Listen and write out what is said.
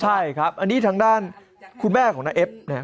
ใช่ครับอันนี้ทางด้านคุณแม่ของน้าเอฟนะฮะ